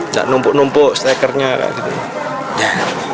nggak numpuk numpuk stekernya